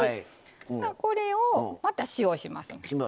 これをまた塩します。